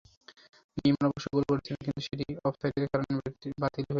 Neymar অবশ্য গোল করেছিলেন, কিন্তু সেটি অফসাইডের কারণে বাতিল হয়ে যায়।